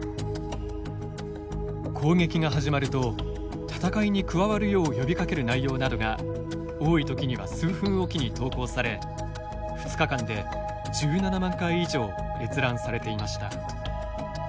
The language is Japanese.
攻撃が始まると戦いに加わるよう呼びかける内容などが多い時には数分おきに投稿され２日間で１７万回以上閲覧されていました。